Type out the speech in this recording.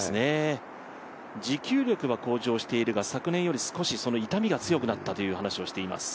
持久力は向上しているが昨年より少し痛みが強くなったという話をしています。